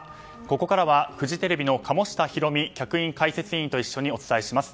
ここからはフジテレビの鴨下ひろみ客員解説委員と一緒にお伝えします。